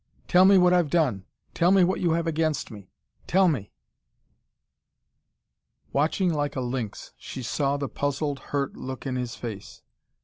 Tell me what I've done. Tell me what you have against me. Tell me." Watching like a lynx, she saw the puzzled, hurt look in his face.